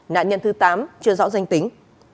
nạn nhân thứ tám chưa rõ danh tính